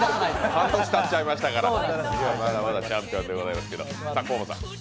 半年たっちゃいましたから、まだまだチャンピオンですから。